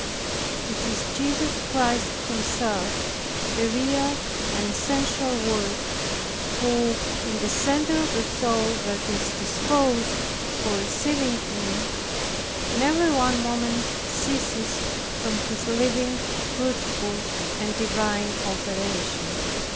It is Jesus Christ Himself, the real and essential Word who in the center of the soul that is disposed for receiving Him, never one moment ceases from His living, fruitful, and divine operation.